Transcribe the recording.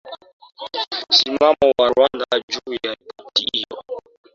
simamo wa rwanda juu ya ripoti hiyo